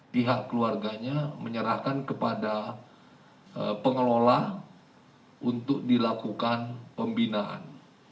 pihak keluarganya menyerahkan kepada pengelola untuk dilakukan pembinaan